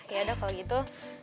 ya udah kalau gitu